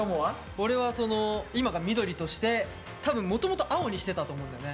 俺は今が緑として多分もともと青にしてたと思うんだよね。